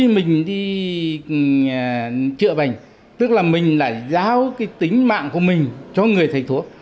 mình đi trợ bệnh tức là mình lại giáo tính mạng của mình cho người thầy thuốc